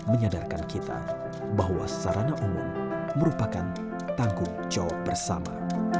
menyadarkan kita bahwa sarana umum merupakan tanggung jawab bersama